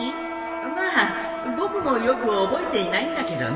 まあ僕もよく覚えていないんだけどね。